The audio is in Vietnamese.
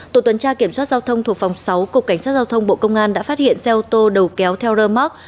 tổ tuần tra kiểm soát giao thông thuộc phòng sáu cục cảnh sát giao thông bộ công an đã phát hiện xe ô tô đầu kéo theo rơ móc